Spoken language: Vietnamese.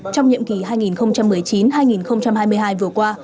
trong nhiệm kỳ hai nghìn một mươi chín hai nghìn hai mươi hai vừa qua